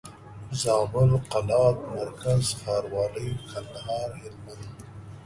زابل قلات مرکز ښاروالي کندهار هلمند